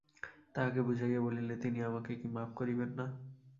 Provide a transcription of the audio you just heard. তাঁহাকে বুঝাইয়া বলিলে তিনি আমাকে কি মাপ করিবেন না?